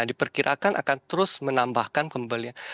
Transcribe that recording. diperkirakan akan terus menambahkan pembelian